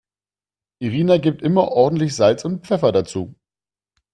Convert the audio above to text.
Irina gibt immer ordentlich Salz und Pfeffer dazu.